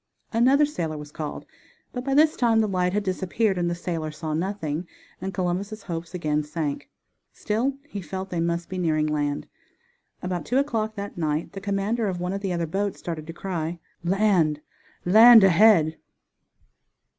Another sailor was called, but by this time the light had disappeared and the sailor saw nothing, and Columbus' hopes again sank. Still he felt they must be nearing land. About two o'clock that night the commander of one of the other boats started the cry: "Land! land ahead!"